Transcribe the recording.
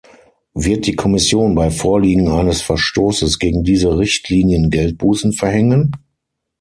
Wird die Kommission bei Vorliegen eines Verstoßes gegen diese Richtlinien Geldbußen verhängen?